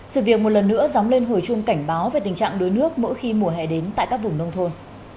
sự việc một lần nữa dóng lên hồi chuông cảnh báo về tình trạng đuối nước mỗi khi mùa hè đến tại các vùng nông thôn